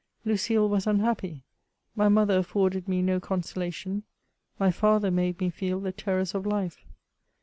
Lucile was unhappy ; my mother afforded me no consolation ; my father made me feel the terrors of life.